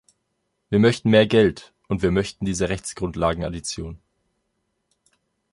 Wir möchten mehr Geld, und wir möchten diese Rechtsgrundlagenaddition.